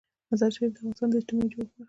مزارشریف د افغانستان د اجتماعي جوړښت برخه ده.